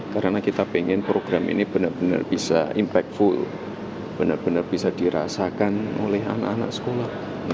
karena kita pengen program ini benar benar bisa impactful benar benar bisa dirasakan oleh anak anak sekolah